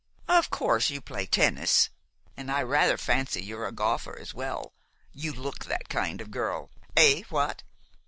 Of course, you play tennis, an' I rather fancy you're a golfer as well. You look that kind of girl Eh, what?"